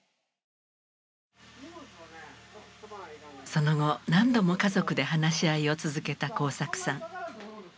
その後何度も家族で話し合いを続けた耕作さん。